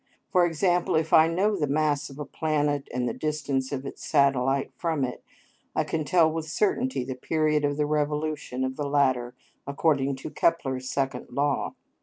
For example, if I know the mass of a planet and the distance of its satellite from it, I can tell with certainty the period of the revolution of the latter according to Kepler's second law.